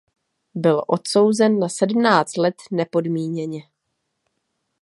Byl odsouzen na sedmnáct let nepodmíněně.